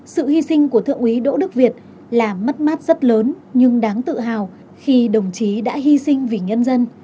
sự hy sinh của thượng úy đỗ đức việt là mất mát rất lớn nhưng đáng tự hào khi đồng chí đã hy sinh vì nhân dân